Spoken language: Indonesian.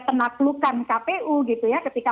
penaklukan kpu gitu ya ketika